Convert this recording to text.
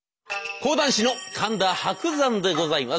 講談師の神田伯山でございます。